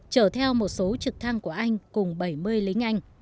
chở theo một số trực thăng của anh cùng bảy mươi lính anh